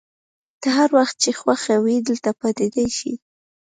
ته هر وخت چي خوښه وي دلته پاتېدای شې.